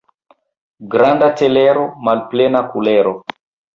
Granda telero, malplena kulero.